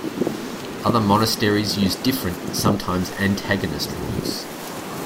Other monasteries used different, sometimes antagonist rules.